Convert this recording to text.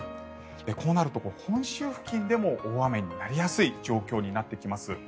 こうなると本州付近でも大雨になりやすい状況になってきます。